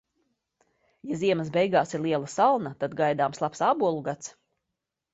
Ja ziemas beigās ir liela salna, tad gaidāms labs ābolu gads.